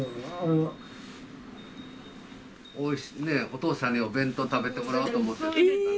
お父さんにお弁当食べてもらおうと思って。